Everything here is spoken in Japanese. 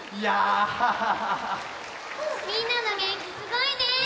みんなのげんきすごいね！ね